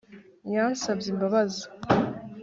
Yansabye imbabazi